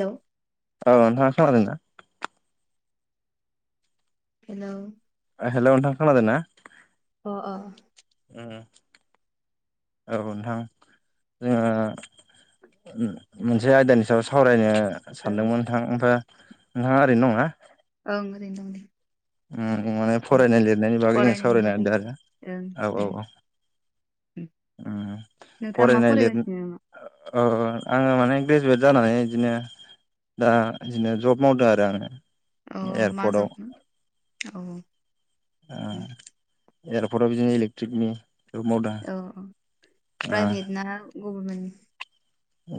Hello औ नोंथाङा खोनादोंना? हेल' हेल' नोंथां खोनादोंना अ अ [inaudible] औ नोंथां ओ मोनसे आयदानि सायाव सावरायनो ओं सानदोंमोन नोंथां ओमफ्राय नोंथाङा ओरैनो दं ना ओं ओरैनो दं माने ओं फरायनाय लिरनायनि बागै जों फरायनायनि सावरायनो बागै होनदों ओं आरो दे औ औ औ उम नोंथाङा मा फरायगासिनो नामा? अ आङो माने ग्रेजुवेट जानानै बिदिनो दा बिदिनो जब मावदों आरो आङो अ मा एयारपर्टआव जब औ उम एयारपर्टाव बिदिनो इलेक्ट्रिक नि औ औ प्राइभेट ना गभर्मेन्टनि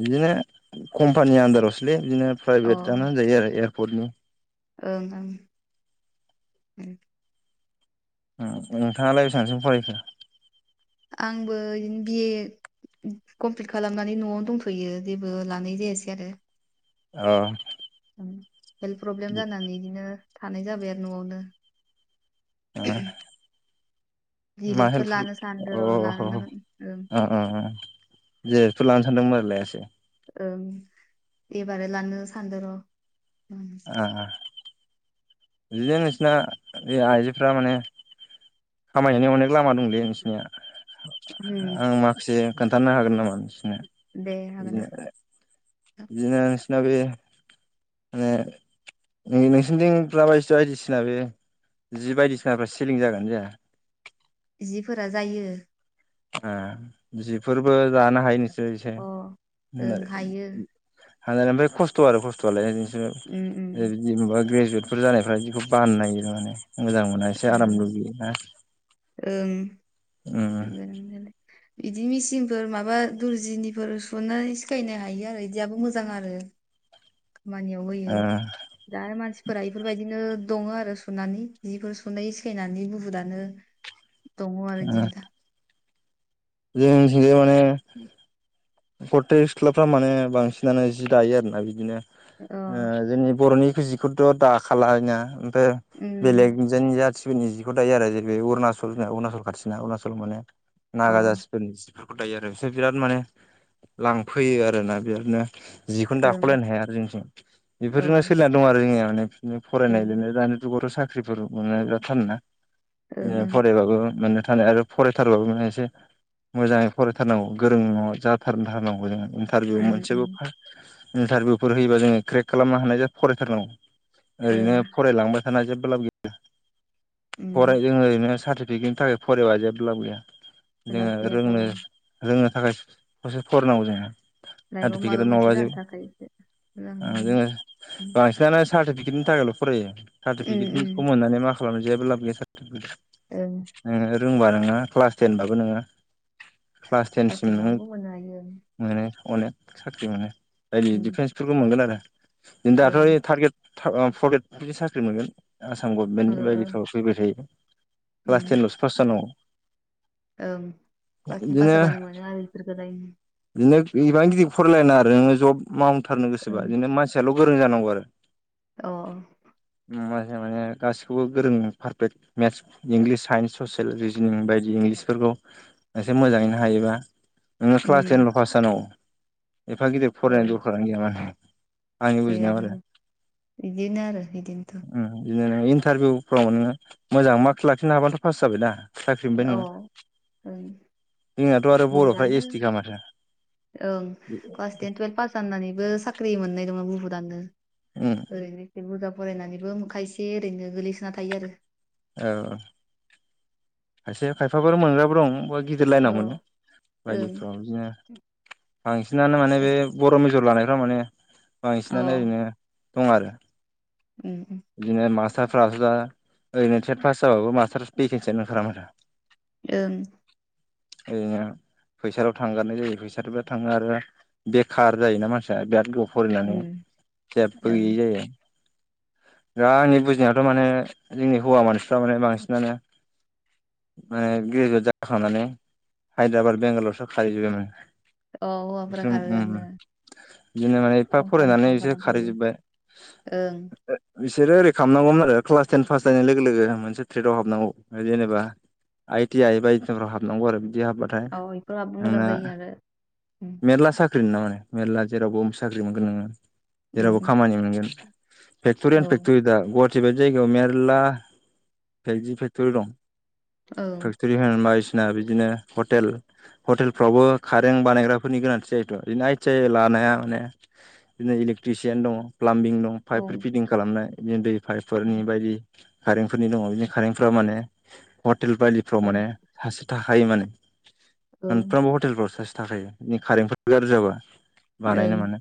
बिदिनो कम्पानि आन्दारावसोलै बिदिनो अ प्राइभेटानो होनजायो जायो आरो एयारपर्टनि ओं ओं नोंथाङालाय बेसांसिम फरायखो? आंबो बिदिनो बिए कमप्लिट खालामनानै न'आवनो दंथ'यो जेबो लानाय जायासै आरो अ उम हेल्थ प्रब्लेम जानानै बिदिनो थानाय जाबाय आरो न'आवनो ओ मा हेल दिलिटफोर फ्र लानो अ सानदों र' ह लानो ह ओ ओ ओ नांगोन ओं [unintelligible] थलानो सानदोंमोन आरो लायासै ओं एबार लानो सानदों र' बिदिनो नोंसिना बे आइजोफ्रा माने खामायनायनि अनेक लामा दंलै नोंसनिया उम आं माखासे खोन्थानो हागोन नामा [unintelligible] दे हागोन दे बिदिनो बिदिनो नोंसिना बे माने नोंसोरनिथिं [unintelligible] जि बायदिसिनाफ्रा सिलिं जागोनाना जाया जिफोरा जायो ए जिफोरबो दानो हायो नोंसि ओं हायो [unintelligible] [unintelligible] खस्थ आरो खस्थआलाय उम उम जेनबा ग्रे जुयेद जानायफ्रा बेखौ बानो नागिरो आरो माने मोजां मोना एसे ओ आराम लुबैयो ना ओं उम नंगौ नंनायालाय बिदि मेसिनफोर माबा दुरजिनिफोरनि सुनानै सिखायनो हायो आरो बिदियाबो मोजां आरो मानियाव होयो ओ दा मानसिफोरा इफोरबायदिनो दङ आरो सुनानै जिफोर सुनाय सिखायनानै बुहुदानो दङ आरो ओ इदिनो दा जोंनिथिंजाय माने गथाय सिख्लाफ्रा माने बांसिनानो जि दायो आरोना बिदिनो अ जोंनि बर'नि जिखौथ' दाखाला ओमफ्राय उम बेलेगनि जाथि फोरनि जिखौ दायो आरो जे बे अरुणचल जोंना अरुणचल खाथिना अरुणचल मानो अ जिफोरखौ दायो आरो बिसोर बिराद माने लांफैयो आरो ना बिरादनो जिखौनो औ दाख'लायनो हाया आरो जोंथि बेफोरजोंनो ओं सोलिनानै दं आरो जोंनिया माने बिदिनो फरायनाय ओं लिरनाय दानि जुगावथ साख्रिफोर मोननाया बिराद थान ना बिदिनो ओं फरायबाबो माननो थानाय आरो फरायथारबाबो माने एसे मोजाङै फरायथारनांगौ गोरों जाथारथारनांगौ जोङो इन्टारभिउ उम मोनसेबो उम फा इन्टारभिउफोर होयोबा जोङो क्रेक खालामनो हानाय जाय फरायथारनांगौ ओं ओरैनो फरायलांबा थाना जेबो लाब गैया उम फराय जों ओरैनो साथि फिकेदनि थाखाय फरायबा जेब्बो लाब गैया लाब जोङो रोंनो गैयाथ' रोङो थाखाय ससे फरायनांगौ जोंहा लाइफआव माबा मोनसे जानो थाखाय इसे मोजां नुनानै उम सारटिफिकेटनि थाखायल फरायो उम उम सारटिफिकेटनिखौ मोननानै मा खालामनो जेबो लाब गैया सारटिफिकेट औ रोंबा नोङो क्लास टेनबाबो नोङो क्लास टेनसिम नों टेनावबो मोननो हायो ओं मोनो अनेक साख्रि मोनो बायदि उम डिफेन्सफोरखौ मोनगोन आरो दाथ' ओं थारटग्रेट फरटग्रेट बिनि साख्रि मोनगोन आसाम ओ गभमेन्टनि ओ बायदिफ्राव फैबाय थायो उम क्लास टेन लसो पास जानांगौ ओं क्लास टेन पास बिदिनो जाबानो मोनो आरो बेफोरखो दायन नो इमान गिदिर फरायलायना आरो नोङो जब मावथारनो गोसोबा बिदिनो मानसियाल गोरों जानांगौ आरो औ माने गासिखौबो गोरों पारफेक्ट मेस्ट इंलिस साइन्स ससियेल रिजिनिं बायदि इंलिस फोरखौ एसे मोजाङैनो हायोबा उम सानाव एफा गिदिर औ फरायनाय दरखारानो गैया माने आंनि बुजिनायाव गैयाथ आरो बिदिनो आरो बिदिनोथ उम बिदिनो नोङो इन्टारभिउफ्राव नोङो मोजां मार्कस लाखिनो हाब्लााथ पास जाबायदा साख्रि मोनबाय अ नङो ओं जोंनाथ आरो बर'फ्रा बहुदानो एस टि खा माथो ओं क्लास टेन टुयेल्भ पास जानानैबो साख्रि मोननाय दङ बुहुदानो उम ओरैनो एसे बुरजा फरायनानैबो मोनखाय एसे ओरैनो गोलैसोना थायो आरो औ खायसे खायफाब मोनग्राबो दं गिदिर लाइनाव आरो मोनो अ ओं बायदिफ्राव बिदिनो बांसिनानो माने बे बर' मि मेजर लानायफ्रा माने बांसिनानो ओरैनो दं आरो ओम बिदिनो मास्टारफ्राथ' दा ओरैनो टेट पास जाबाबो मास्टार भेकेन्सियानो ओंखारा माथो ओं [unintelligible] फैसाल' थांगारनाय जायो फैसाथ' बिराद थाङो आरो बेखार जायोना मानसिया बिराद गोबाव फरायनानै उम जेबो ओं गैयै जायो दा आंनि बुजिनायाथ' माने जोंनि हौवा मानसिफ्रा माने बांसिनानो माने ग्रेजुवेट जाखांनानै हायद्राबाद बेंगालरावसो खारहैजोबबायमोन औ हौवाफोरा ओम खारोआनो बिदिनो माने एफा फरायनानै कम्पानिफ्राव बिसोर खारलांखायो खारहैजोब्बाय ओं बिसोरो ओरै खालामनांगौमोन आरो क्लास टेन पास जानाय लोगो लोगो मोनसे ट्रेदआव हाबनांगौ जेनेबा आइ टि आइ बा [unintelligible] हाबनांगौ आरो दि हाबबाथाय औ इफोराबो मोजां नोंना जायो आरो उम मेरला साख्रि मेरला जेरावबो साख्रि मोनगोन नोङो जेरावबो उम खामानि मोनगोन फेक्ट'रि औ एन्ड फेक्ट'रि दा गुवाहाटि बायदि जायगायाव मेरला जि फेक्ट'रि दं औ फेक्टरि बिदिनो हतेल हतेलफ्रावबो खारें बानायग्राफोरनि गोनांथि जायोथ' इदिनो आइ थि आइ लानाया माने इलेकट्रिसियान दङ प्लाबिं दं औ बे ओं फिदिं खालामनाय बिदिनो दै पाइपफोरनि बायदि कारेन्टफोरनि दङ बिदिनो कारेन्ट फोराव माने हट हटेल बायदिफ्राव माने सासे थाखायो माने औ ओं मोनफ्रोमबो हटेलफ्राव सासे थाखायो बे खारेन्फोर गाज्रि जाबा बानायनो मानो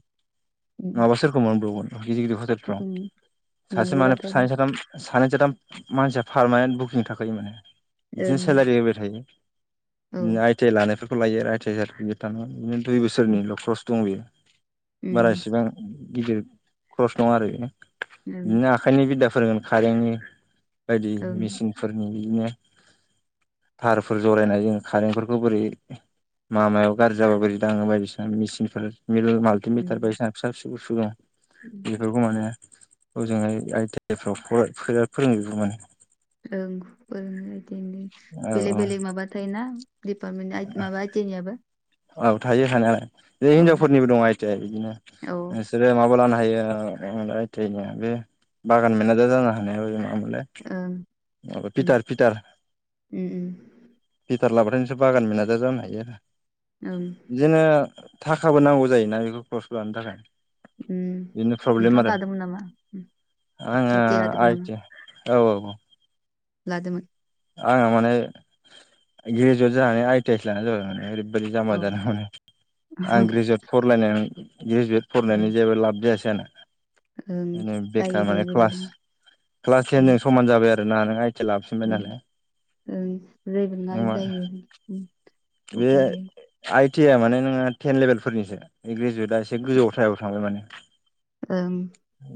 उम नङाबा सोरखौ मोनब्रबगोन गिदिर गिदिर हतेलफ्राव उम सासे माने नंगौबाथ' आरो सानै साथाम सानै साथाम मानसिया पारमानेन्ट बुकिं थाखायो माने बिदिनो ओं सेलारि होबाय थायो औ बिदिनो आइ टि आइ लानायफोरखौ लायो आरो आइ टि आइ सार्टिफिकेट थानाय बिदिनो दुइ उम बोसोरनिल' कर्स दं बियो बारा ओं इसेबां गिदिर ख्रस नङा आरो बियो बिदिनो आखाइनि बिदा फोरोंगोन कारेन्टनि बायदि ओं मेचिनफोरनि बिदिनो थारफोर जरायनाय जोङो कारेन्टफोरखौ बोरै मामायाव गाज्रि जाबा बोरै दाङो बायदिसिना मेचिनफोर मिल माल्टिं उम बिलटार बायदिसिना फिसा फिसौ बुसतु बेफोरखौ माने हजोंहाय आइ थि आइ फ्राव फोरोंजोबो माने ओं बिदिनो औ बेलेग बेलेग माबाथाय ना दिडिपार्मेन्ट माबा आइ थि आइ नाबो औ थायो थानायालाय औ हिनजावफोरनिबो दङ आइ थि आइ बिदिनो नोंसोरो माबा लानो हायो ओ बे बागान मेनेजार जानो हानाया मामोनलाय ओं पिटार पिटार ओं पिथार लाबाथाय नोंसोर बागान मेनाजार जानो हायो आरो ओं बिदिनो थाखाबो नांगौ जायोना बेखौ खरस लानो थाखाय उम बिदिनो प्रब्लेम नोंथाङाबो आरो लादोंमोन नामा आङो आइ टि लादोंमोन आइ टि औ औ औ लादोमोन आंहा माने ग्रेजुवेट जानानै आइटि आइ सो लानाय जाबाय माने ओरैबादि औ जामबा जादों माने आं ग्रेजुवेट फरायलायनानै ग्रेजुवेट ओ फरायनायनि जेबो लाब ओं जायासै जायो बेखार दे माने जेबो क्लास नङा क्लास ओं टेनजों समान जाबाय आरो आरो ना नों आइटि लाबोफिनबाय उम नालाय ओं जेबो नोङालै जायो इदिनो बे उफाय गैया आइ टि आ माने नोङो टेन लेभेलफोरनिसो ग्रेजुवेटआ एसे गोजौथायाव थांबाय माने ओं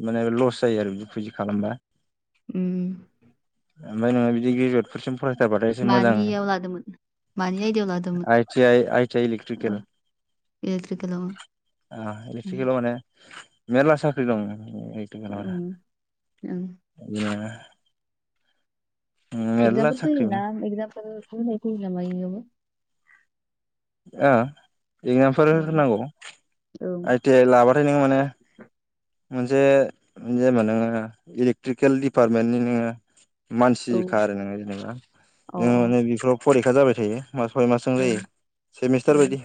माने लस जायो आरो बिखौ जि खालामबा उम ओमफाय नोङो बिदि ग्रेजुवेटफोरसिम फरायथारबाथाय एसे मोजां मानियाव लादोंमोन? मानि आयदायाव लादोंमोन आइ आइ आइटिइ ओ इलक्ट्रिकेल इलेक्ट्रिकेलाव उम इलेक्ट्रिकेल माने मेरला साख्रि दं उम ओं मेरला एगजामफोर साख्रि फैयोना इगजामफोर होनाय फैयो नामा इयावबो आ एगजामफोर औ होनांगौ औ आइटि आइ लाबाथाय नोङो माने मोनसे जेनेबा नोङो इलेक्ट्रिकेल डिपार्टमेन्टनि नोङो मानसिखा आरो नोङो जेनेबा नोङो औ माने बेफोराव फरिखा जाबाय थायो मास सय मासजों अ जायो सेमिस्टार अ बायदि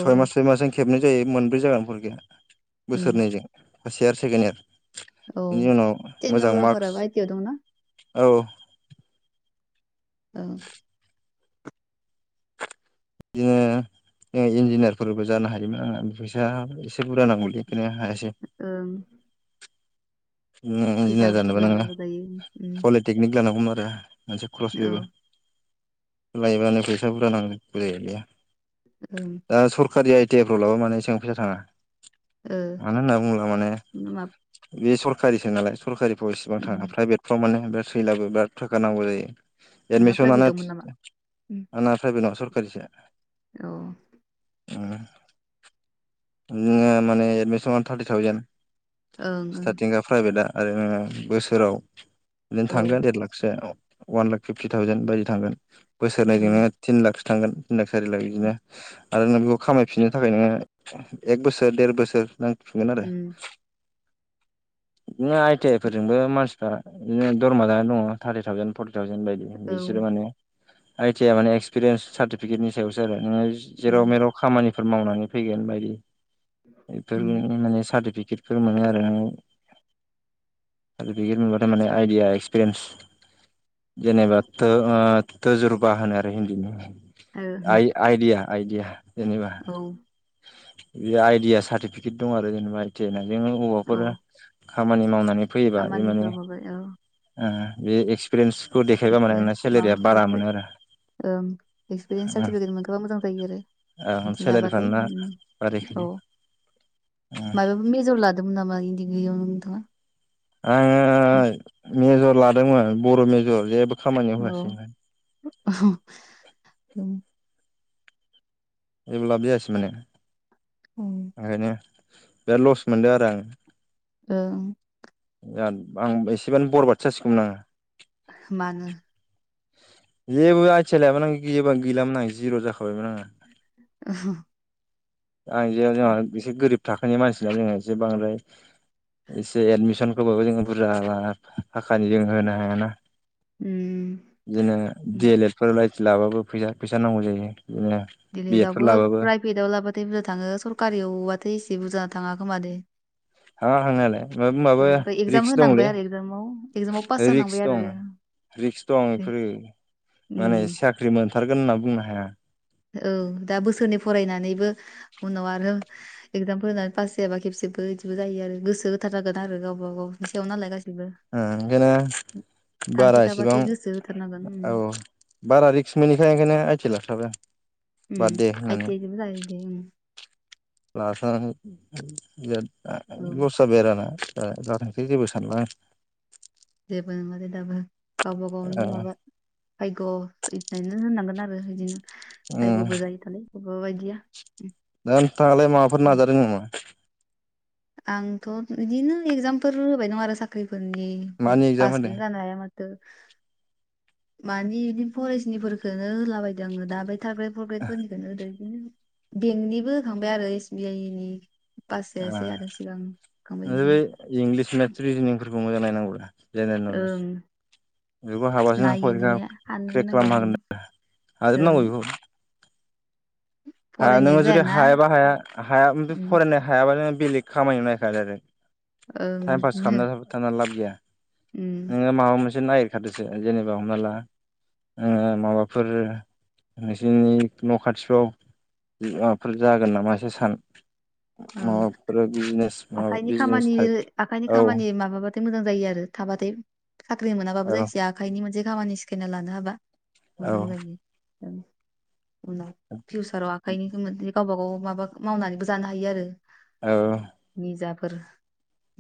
ओं औ सय मास सय मासजों खेबनाय जायो मोनब्रै जागोनफोर गया उम बोसोरनैजों फार्स्ट इयार सेकेणड इयार औ बेनि उनाव मोजां मार्कस स्टेन'ग्राफाराबो आइ टि आव दंना? औ औ बिदिनो इन्जिनियारफोरबो जानो हायोमोन आं फैसा एसे बुरजा नांगौलै हायासै ओं इन्जिनियार फैसा जानोबो बुरजा नङा नांगौ जायो उम पलिटेकनिक जानांगौमोन आरो मोनसे खरस औ बेबो लायोब्लानो फैसा बुरजा नां बुरजाय नांगौगैया ओं दा सरखारि आइटि आइफ्राव लाबा माने एसेबां फैसा थाङा ओ मानो होन्ना बुंङोला माने माब बे सरखारिसो नालाय सरकारिफ्राव इसेबां थाङा प्राइभेटफ्राव माने थैलाबो बिराद थाखा नांगौ जायो नोंना एडमिसनानो प्राइभेटावमोन नामा? उम, आ प्राइभेट न सरकारिसो औ बि माने एडमिसन थार्टि थावजेेन ओं ओं प्राइभेटआ आरो बोसोराव बिदिनो औ थांगोन देर लाखसो अवान लाख फिफ्टि थावजेन बायदि थांगोन ओं बोसोरनायजोंनो थिन लाखसो थांगोन थिन लाख सारि लाख बिदिनो आरो नों बेखौ खामायफिननो थाखाय नोङो एक बोसोर देर बोसोर नों उम बिदिनो आइ टि आइ फोरजोंबो मानसिफ्रा बिदिनो दरमा जानानै दङ थार्टि थावजेन फर थावजेन बायदि औ बिसोर उम माने साटिफिकेटनि सायावसो आरो नोङो जेराव मेराव खामानिफोर मावनानै फैगोन बायदि बेफोर उम माने सार्टिफिकेटफोर मोनो आरो सार्टिफिकेट मोनबाथाय माने आइडिया एक्सपिरियेन्स जेनेबा थजुरबा होनो आरो हिन्दीनि आइ आइदिया आइदिया जेनेबा ओ उम, बे आइदिया सार्टिफिकेट दं आरो जेनेबा आइटि आयना जों औ हबबाफोर खामानि मावनानै फैयोबा बे माने खामानिफ्राव माबा औ बे एक्सपिरियेन्स बेखौ देखायबा एक्सपिरियेन्स मा सेलेरिया माबा बारा एक्सपि- मोनो आरो ओं एक्सपिरियेन्स सार्टिफिकेट मोनखाबा मोजां जायो आरो ओ बिदिनो सेलारिफ्रा हाबाथाय नोंना औ बारायखायो मायाबो मेजर लादोंमोन नामा दिग्रियाव नोंथांङा आङो मेजर लादोंमोन बर' मेजर जेबो खामानियाव होआसै औ [inaudible] जेबो लाब जायासै माने ओं ओंखायनो बिराद लस मोनदों आरो आं ओ। आं एसेबानो बरबादसो जासिगौमोन आङो‌ मानो? जेबो आइथिया लायाबानो गैबा गैलामोन आं जिर' जाखाबायमोन आङो। [unintelligible] आइजो जोंहा एसे गोरिब थाखोनि मानसिना जोंहा एसे बांद्राय। एसे एडमिसनखौबाबो जोङो बुरजा थाखानि जों होनो हायाना। उम बिदिनो डि एल एड फोर लाइटि लाबाबो फैसा फैसा नांगौ जायो। बिदिनो बि दिले एड फोर दावबो लाबाबो प्राइभेटाव लाबाथाय। सरकारियावबाथाय एसे बुरजा थांङा खोमा दे। हा थांनायालाय ओं माबा ओमफ्राय एगजाम रिक्स होनांबाय दंलै आरो एगजामाव एगजामाव पास रिक्स जानांबाय आरो दं। रिक्स दं बेफोरो माने उम साख्रि मोनथारगोन होनना बुंनो हाया। औ दा बोसोरनै फरायनानैबो उनाव आरो। एगजामफोर होनानै पास जायाबा खेबसेबो बिदिबो जायो आरो गोसो होथारागोन आरो गावबा गावनि सायाव नालाय गासिबो। ओंखायनो थांखि बारा एसेबां थाबाथाय गोसो होथारनांगोन उम औ बारा रिक्स मोनैखाय ओंखायनो आइथि लाखाबाय आं। उम बाद दे होननानै आयथि आयदिब जों दे। [unintelligible] लस औ जाबाय आरो आंना। दा जाथोंसै जेबो सानला। जेबो नंङा दे दाबो गाब गावनि आं माबा भायग' इदिनायनो होननांगोन आरो। बिदिनो भायग'बो जायो दालाय बबेबा बायदिया नोंथांयालाय माबाफोर ओं नाजादों नामा। आंथ' बिदिनो एकजामफोर होबाय दं आरो साख्रि फोरनि मानि एगजाम होदों पासखौनो जानो हाया माथो मानिे बिदिनो फरायसनिखोननो होला बायदों आंङो दा बे थार्द ग्रेड फर ग्रेद फोरनिखौनो होदों बेंकनिबो होखांबाय आरो एस बि आइ नि बास जायासै आरो सिगां होखांबाय बिदिनो। [unintelligible] [unintelligible] रिजिनिंफोरखौ मोजां नायनौ। जेनेरेल नलेज ओं बेखौ हाबासो नायो नोंनिया [unintelligible] हानोनो क्रग खालामनो नागिरा आं। हागोन आरो। हाजोब ओं नांगौ बेखौ। फरायनायानो जुदि जायाना हायाबा हाया हाया ओं फरायनो हायाबानो बेलेग खामानियाव नायखादों आरो टाइम पास बिदिनो खालामना थानान लाब गैया। ओं नोंङो माबा मोनसे नागिरखादोसो जेनेबा हमना ला। माबाफोर नोंसोरनि न' खाथिफ्राव माबाफोर जागोन नामा एसे सान। ओं माबाफोर बिजनेस माबा आखाइनि बिजनेस खामानि टाइप आखाइनि औ। खामानि माबाबाथाय मोजां जायो आरो थाबाथाय साख्रि मोनाबाबो औ जायखिया आखाइनि मोनसे खामानि सिखायना लानो हाबा। औ मोजां जायोायो उनाव फिउसाराव आखाइनि सोमोन्दै। गावबा गाव माबा मावनानैबो जानो हायो आरो। औ। फोर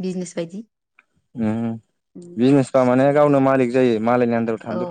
बिजनेस बायदि। उम, बिजनेसबा माने गावनो मालिक जायो मालायनि आन्दाराव थानो औ दरखार।